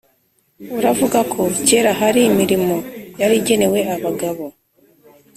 Uravuga ko kera hari imirimo yari igenewe abagabo